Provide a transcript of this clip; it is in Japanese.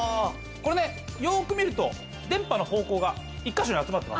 これねよく見ると電波の方向が１か所に集まってますね。